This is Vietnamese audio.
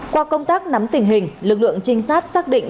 qua công tác nắm tình hình lực lượng trinh sát xác định